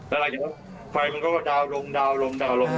แล้วไฟมันก็ดาวน์ลงลงลงลง